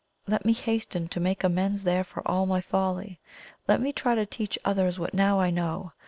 Let me hasten to make amends there for all my folly let me try to teach others what now I know.